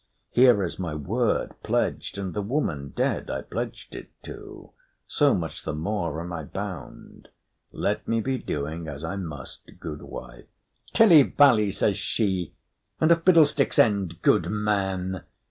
Here is my word pledged and the woman dead I pledged it to. So much the more am I bound. Let me be doing as I must, goodwife." "Tilly valley!" says she, "and a fiddlestick's end, goodman!